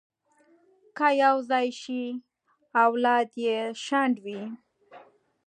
که یو ځای شي، اولاد یې شنډ وي.